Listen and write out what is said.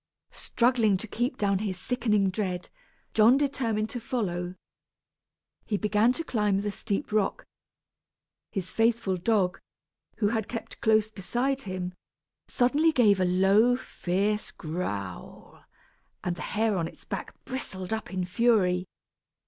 Struggling to keep down his sickening dread, John determined to follow. He began to climb the steep rock. His faithful dog, who had kept close beside him, suddenly gave a low fierce growl, and the hair on its back bristled up in fury.